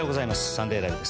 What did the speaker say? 「サンデーＬＩＶＥ！！」